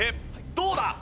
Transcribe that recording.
どうだ？